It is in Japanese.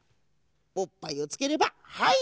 おっぱいをつければはい！